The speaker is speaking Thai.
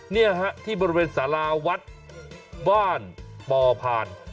นี่ฮะที่บริเวณสาราวัดบ้านปอพาน